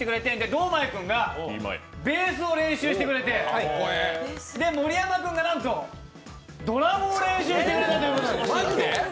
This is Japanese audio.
堂前君がベースを練習してくれて、盛山君がドラムを練習してくれたということで。